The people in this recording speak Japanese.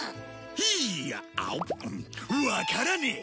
いやわからねえ。